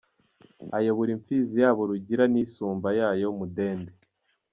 Ayobora imfizi yabo Rugira n’isumba yayo Mudende.